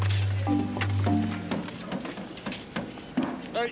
・はい。